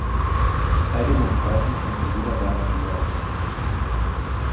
Drei Demokraten haben die Wiederwahl verloren.